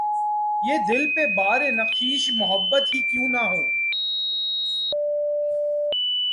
ہے دل پہ بار‘ نقشِ محبت ہی کیوں نہ ہو